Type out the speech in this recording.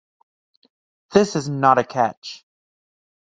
This is not a catch.